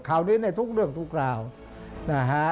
คราวนี้ในทุกเรื่องทุกราวนะฮะ